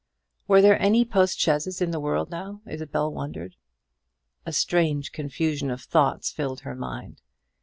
Were there any postchaises in the world now, Isabel wondered. A strange confusion of thoughts filled her mind.